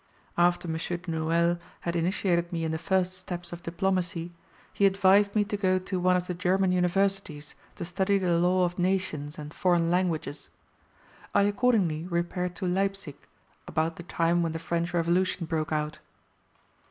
After M. de Noailles had initiated me in the first steps of diplomacy, he advised me to go to one of the German universities to study the law of nations and foreign languages. I accordingly repaired to Leipsic, about the time when the French Revolution broke out.